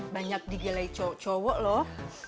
banyak digilai cowok cowok loh